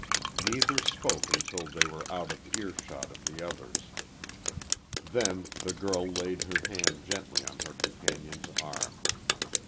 Neither spoke until they were out of earshot of the others. Then the girl laid her hand gently on her companion's arm.